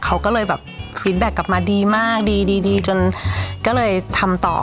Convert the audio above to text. เขาก็เลยแบบดีมากดีดีดีจนก็เลยทำต่อ